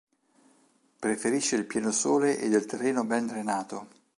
Preferisce il pieno sole ed il terreno ben drenato.